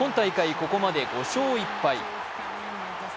ここまで５勝１敗。